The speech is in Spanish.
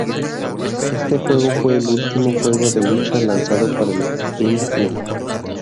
Este juego fue el último juego de lucha lanzado para el GameCube.